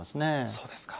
そうですか。